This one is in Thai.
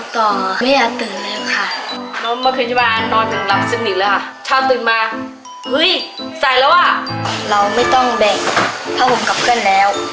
เช้าตื่นมาเฮ้ยใส่แล้วอ่ะเราไม่ต้องแบ่งเพราะผมกลับกันแล้ว